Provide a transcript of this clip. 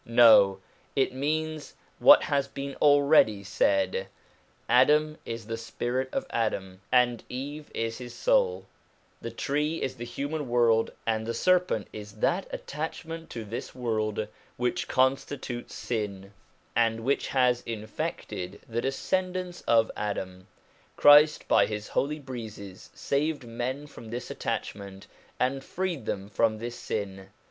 No ; it means what has been already said : Adam is the spirit of Adam, and Eve is his soul ; the tree is the human world, and the serpent is that attachment to this world which constitutes sin, and which has infected the descendants of Adam. Christ by his holy breezes saved men from this attachment, and freed them from this sin.